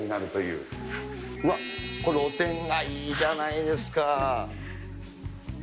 うわっ、これ、露天がいいじゃないですか。